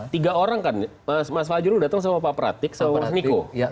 tiga orang kan mas fajru datang sama pak pratik sama mas niko